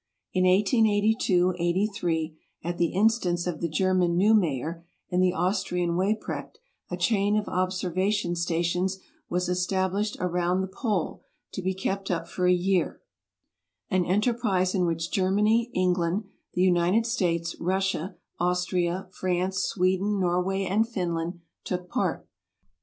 In 1882 83, a^ the instance of the Ger man Neumayer and the Austrian Weyprecht, a chain of ob servation stations was established around the pole, to be kept up for a year — an enterprise in which Germany, Eng land, the United States, Russia, Austria, France, Sweden, Norway, and Finland took part.